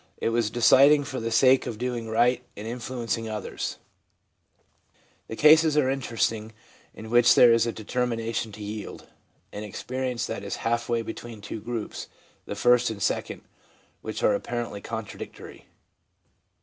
'It was de ciding for the sake of doing right and influencing others/ The cases are interesting in which there is a ' determina tion to yield/ an experience that is halfway between two groups, the first and second, which are apparently contradictory.